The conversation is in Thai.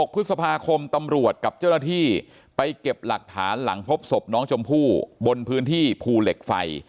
พฤษภาคมตำรวจกับเจ้าหน้าที่ไปเก็บหลักฐานหลังพบศพน้องชมพู่บนพื้นที่ภูเหล็กไฟ